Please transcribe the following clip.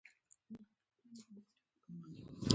چار مغز د افغانستان د بڼوالۍ یوه مهمه برخه ده.